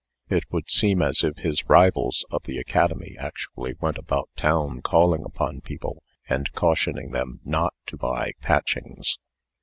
It would seem as if his rivals of the Academy actually went about town calling upon people, and cautioning them not to buy Patchings.